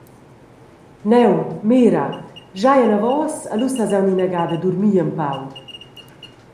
Neu, mira, schai anavos e lu sas aunc inagada durmir empau.